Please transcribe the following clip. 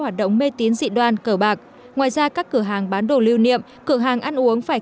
hoạt động mê tín dị đoan cờ bạc ngoài ra các cửa hàng bán đồ lưu niệm cửa hàng ăn uống phải